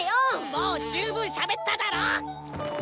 もう十分しゃべっただろ！